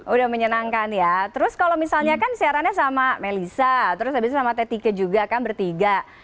udah menyenangkan ya terus kalau misalnya kan siarannya sama melissa terus habis sama tetika juga kan bertiga